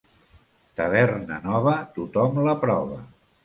Taverna nova, tothom la prova.